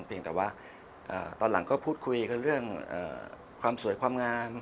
เพียงแต่ว่าตอนหลังก็พูดคุยกับเรื่องความสวยความงาม